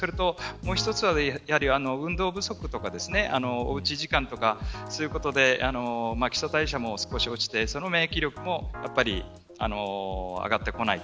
もう一つは、運動不足とかおうち時間とかそういうことで基礎代謝も少し落ちて免疫力も上がってこない。